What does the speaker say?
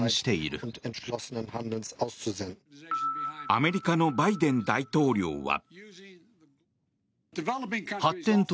アメリカのバイデン大統領は。